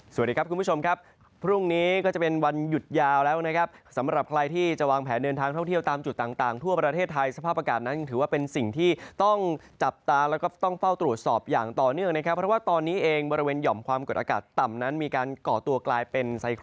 สวัสดีครับคุณผู้ชมครับพรุ่งนี้ก็จะเป็นวันหยุดยาวแล้วนะครับสำหรับใครที่จะวางแผนเดินทางท่องเที่ยวตามจุดต่างทั่วประเทศไทยสภาพอากาศนั้นถือว่าเป็นสิ่งที่ต้องจับตาแล้วก็ต้องเฝ้าตรวจสอบอย่างต่อเนื่องนะครับเพราะว่าตอนนี้เองบริเวณหย่อมความกดอากาศต่ำนั้นมีการก่อตัวกลายเป็นไซค